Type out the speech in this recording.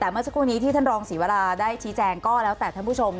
แต่เมื่อสักครู่นี้ที่ท่านรองศรีวราได้ชี้แจงก็แล้วแต่ท่านผู้ชม